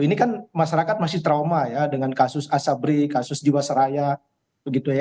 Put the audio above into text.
ini kan masyarakat masih trauma ya dengan kasus asabri kasus jiwasraya begitu ya